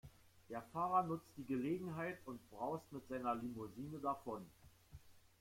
Der Fahrer nutzt die Gelegenheit und braust mit seiner Limousine davon.